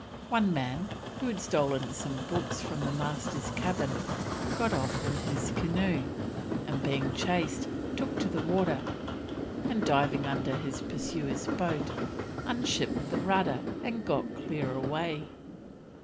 One man, who had stolen some books from the Master's cabin, got off in his canoe, and being chased, took to the water, and diving under his pursuers' boat, unshipped the rudder, and got clear away.